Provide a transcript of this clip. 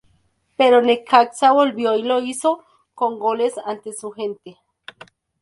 Pero Necaxa volvió y lo hizo con goles ante su gente.